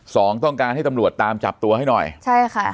ต้องการให้ตำรวจตามจับตัวให้หน่อยใช่ค่ะ